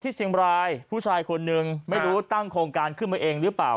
เชียงบรายผู้ชายคนนึงไม่รู้ตั้งโครงการขึ้นมาเองหรือเปล่า